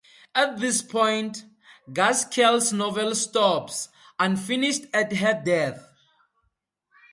At this point, Gaskell's novel stops, unfinished at her death.